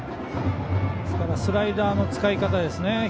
ただスライダーの使い方ですね。